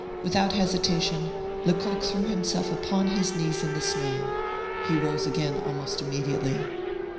Without hesitation, Lecoq threw himself upon his knees in the snow; he rose again almost immediately.